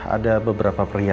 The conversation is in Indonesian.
ada beberapa perhiasan